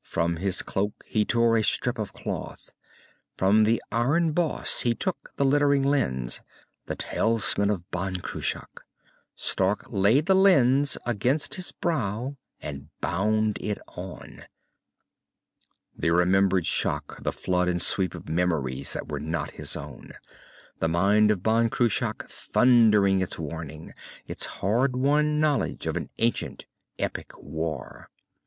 From his cloak he tore a strip of cloth. From the iron boss he took the glittering lens, the talisman of Ban Cruach. Stark laid the lens against his brow, and bound it on. _The remembered shock, the flood and sweep of memories that were not his own. The mind of Ban Cruach thundering its warning, its hard won knowledge of an ancient, epic war....